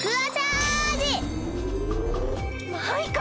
マイカ。